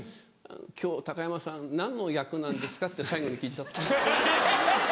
「今日高山さん何の役なんですか？」って最後に聞いちゃったんですよね。